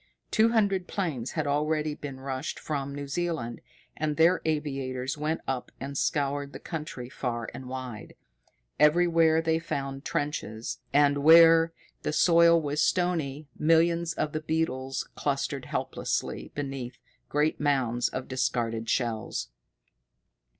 Two hundred planes had already been rushed from New Zealand, and their aviators went up and scoured the country far and wide. Everywhere they found trenches, and, where the soil was stony, millions of the beetles clustered helplessly beneath great mounds of discarded shells.